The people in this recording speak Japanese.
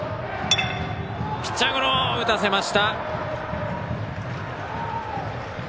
ピッチャーゴロ打たせました！